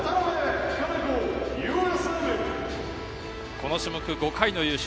この種目、５回の優勝。